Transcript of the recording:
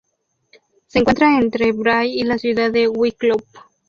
Se encuentra entre Bray y la ciudad de Wicklow.